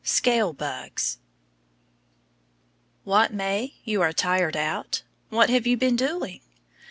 SCALE BUGS What, May, you are tired out? What have you been doing?